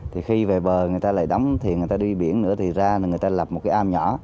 thì khi về bờ người ta lại đóng thì người ta đi biển nữa thì ra là người ta lập một cái am nhỏ